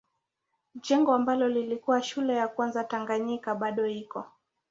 Jengo ambalo lilikuwa shule ya kwanza Tanganyika bado iko.